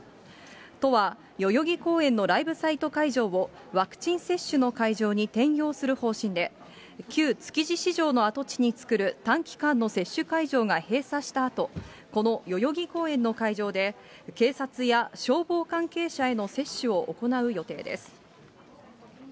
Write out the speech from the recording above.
都は代々木公園のライブサイト会場を、ワクチン接種の会場に転用する方針で、旧築地市場の跡地に作る短期間の接種会場が閉鎖したあと、この代々木公園の会場で、警察や消防関係者への接種を行う予定です。